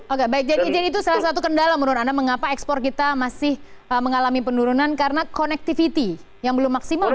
oke baik jadi itu salah satu kendala menurut anda mengapa ekspor kita masih mengalami penurunan karena connectivity yang belum maksimal